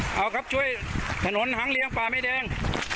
เอาครับช่วยถนนหางเลี้ยงป่าไม้แดง